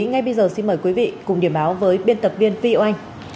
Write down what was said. ngay bây giờ xin mời quý vị cùng điểm báo với biên tập viên phi oanh